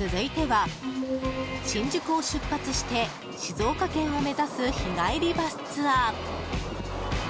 続いては、新宿を出発して静岡県を目指す日帰りバスツアー。